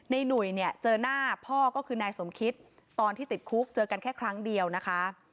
หนุ่ยเนี่ยเจอหน้าพ่อก็คือนายสมคิตตอนที่ติดคุกเจอกันแค่ครั้งเดียวนะคะ